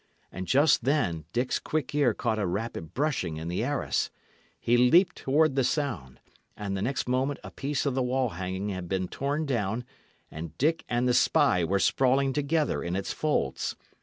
And just then Dick's quick ear caught a rapid brushing in the arras. He leaped towards the sound, and the next moment a piece of the wall hanging had been torn down, and Dick and the spy were sprawling together in its folds.